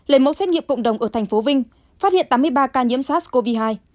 lệ mẫu xét nghiệm cộng đồng ở tp vinh phát hiện tám mươi ba ca nhiễm sars cov hai